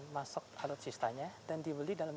masuk alutsistanya dan dibeli dalam